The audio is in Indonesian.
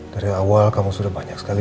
dari awal kamu sudah banyak sekali